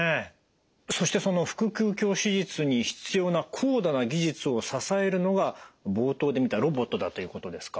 そしてその腹腔鏡手術に必要な高度な技術を支えるのが冒頭で見たロボットだということですか？